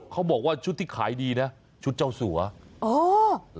เขาบอกว่าชุดที่ขายดีนะชุดเจ้าสัวอ๋อ